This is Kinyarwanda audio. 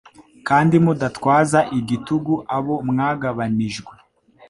Kandi mudatwaza igitugu abo mwagabanijwe,